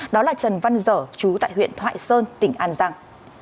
đó là trần văn dở chú tại huyện thoại sơn tỉnh an giang